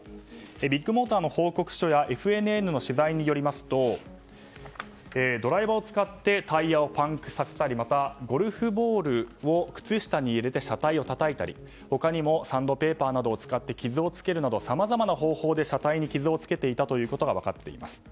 ビッグモーターの報告書やＦＮＮの取材によりますとドライバーを使ってタイヤをパンクさせたりまた、ゴルフボールを靴下に入れて車体をたたいたり他にもサンドペーパーなどを使って傷をつけるなどさまざまな方法で車体に傷をつけていたことが分かっています。